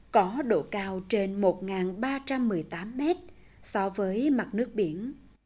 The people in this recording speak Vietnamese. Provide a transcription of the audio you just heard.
có độ cao trên một ba trăm một mươi tám mét so với mặt nước biển